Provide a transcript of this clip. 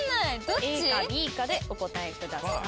ＡかＢかでお答えください。